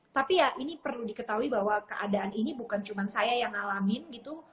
tapi ya ini perlu diketahui bahwa keadaan ini bukan cuma saya yang ngalamin gitu